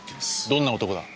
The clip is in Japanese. どんな男だ？